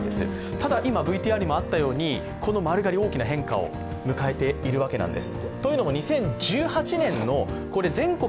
ただ今、ＶＴＲにもあったように、この丸刈り大きな変化を迎えているんです。